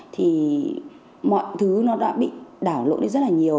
thì mọi thứ nó đã bị đảo lộn đi rất là nhiều